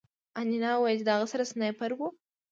انیلا وویل چې د هغه سره سنایپر و